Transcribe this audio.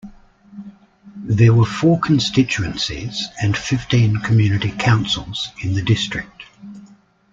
There were four constituencies and fifteen community councils in the district.